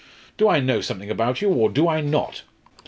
Do I know something about you, or do I not?